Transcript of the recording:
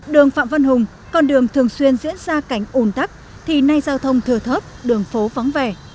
đường phạm văn hùng con đường thường xuyên diễn ra cảnh ủn tắc thì nay giao thông thừa thớp đường phố vắng vẻ